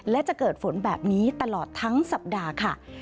และจะเกิดฝนแบบนี้ตลอดทั้งสัปดาห์ค่ะ